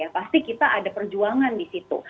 pasti kita ada perjuangan di situ